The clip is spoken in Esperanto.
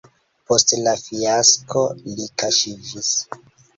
Post la fiasko li kaŝiĝis.